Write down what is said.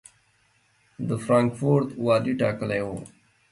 د فرانکفورټ والي ټاکلی و.